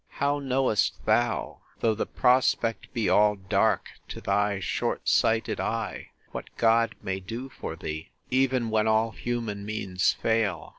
How knowest thou, though the prospect be all dark to thy short sighted eye, what God may do for thee, even when all human means fail?